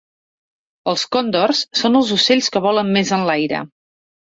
Els còndors són els ocells que volen més enlaire.